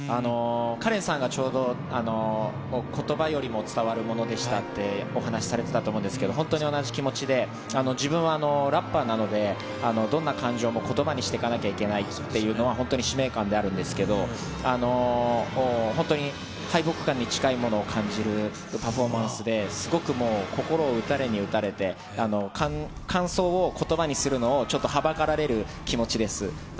カレンさんが、ちょうど、ことばよりも伝わるものでしたってお話しされてたと思うんですけど、本当に同じ気持ちで、自分はラッパーなので、どんな感情もことばにしていかなきゃいけないっていうのは、本当に使命感であるんですけど、本当に敗北感に近いものを感じるパフォーマンスで、すごくもう、心を打たれに打たれて、感想をことばにするのを、ちょっとはばかられる気持ちです。